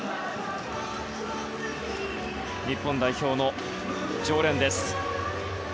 日本代表の常連です。